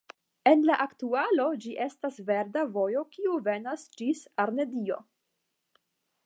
En la aktualo ĝi estas verda vojo kiu venas ĝis Arnedillo.